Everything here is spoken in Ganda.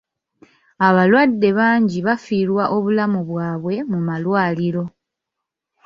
Abalwadde bangi bafiirwa obulamu bwabwe mu malwaliro.